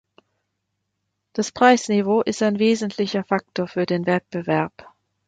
Das Preisniveau ist ein wesentlicher Faktor für den Wettbewerb.